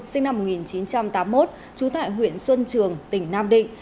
sinh năm một nghìn chín trăm tám mươi một trú tại huyện xuân trường tỉnh nam định